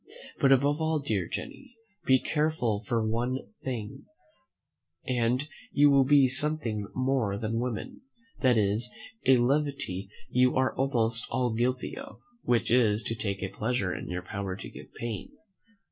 But above all, dear Jenny, be careful of one thing, and you will be something more than woman; that is, a levity you are almost all guilty of, which is, to take a pleasure in your power to give pain.